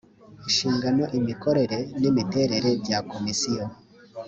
inshingano imikorere n imiterere bya komisiyo